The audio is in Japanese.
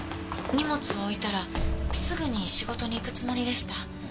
荷物を置いたらすぐに仕事に行くつもりでした。